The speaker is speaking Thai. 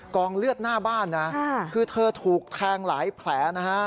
กองเลือดหน้าบ้านนะคือเธอถูกแทงหลายแผลนะฮะ